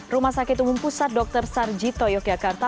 rumah sakit umum pusat dr sarjito yogyakarta